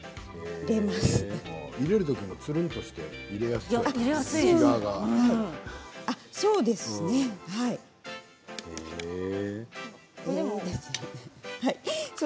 入れるときも裏側がつるんとしていて入れやすそう。